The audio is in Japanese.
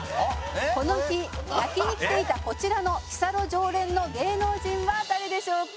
「この日焼きに来ていたこちらの日サロ常連の芸能人は誰でしょうか？」